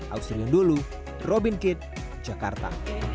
ausri undulu robin kitt jakarta